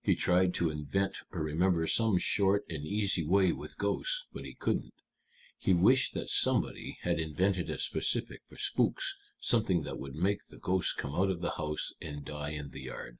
He tried to invent or remember some short and easy way with ghosts, but he couldn't. He wished that somebody had invented a specific for spooks something that would make the ghosts come out of the house and die in the yard.